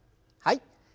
はい。